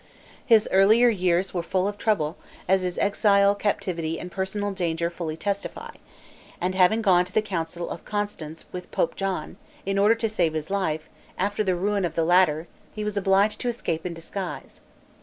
His earlier years were full of trouble, as his exile, captivity, and personal danger fully testify; and having gone to the council of Constance, with Pope John, in order to save his life, after the ruin of the latter, he was obliged to escape in disguise.